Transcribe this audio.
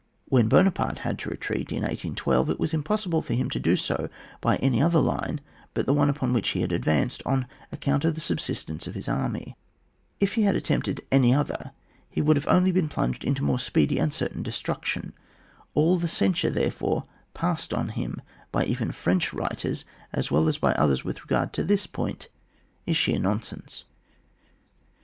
When Buonaparte had to retreat in 1812, it was impossible for him to do so by any other line but the one upon which he had advanced, on account of the sub sistence of his army; and if he had attempted any other he would only have plunged into more speedy and certain destruction ; all the censure therefore passed on him by even French writers as well as by others with regard to this point is sheer nonsense.